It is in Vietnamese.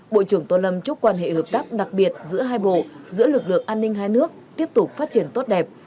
bộ trưởng tô lâm chúc quan hệ hợp tác đặc biệt giữa hai bộ giữa lực lượng an ninh hai nước tiếp tục phát triển tốt đẹp